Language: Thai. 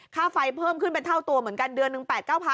ค่าไฟเพิ่มขึ้นเป็นเท่าตัวเหมือนกันเดือนหนึ่ง๘๙๐๐